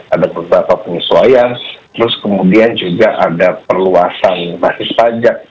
ada beberapa penyesuaian terus kemudian juga ada perluasan basis pajak